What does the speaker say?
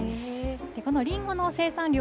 このりんごの生産量